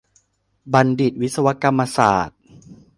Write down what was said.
บัณฑิตวิศวกรรมศาสตร์